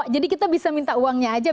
jadi kita bisa minta uangnya aja